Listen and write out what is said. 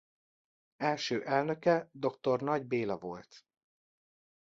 Első elnöke dr. Nagy Béla volt.